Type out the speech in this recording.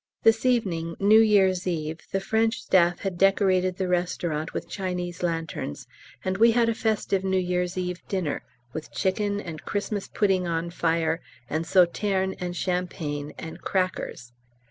This evening, New Year's Eve, the French Staff had decorated the Restaurant with Chinese lanterns, and we had a festive New Year's Eve dinner, with chicken, and Xmas pudding on fire, and Sauterne and Champagne and crackers.